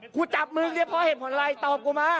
กูจับมึงเพราะเห็นผลอะไรตอบกูมา